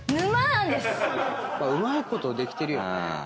うまいことできてるよね。